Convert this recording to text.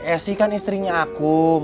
esi kan istrinya akum